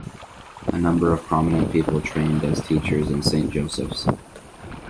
A number of prominent people trained as teachers in Saint Joseph's.